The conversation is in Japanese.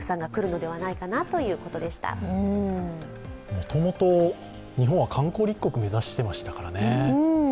もともと日本は観光立国を目指してましたからね。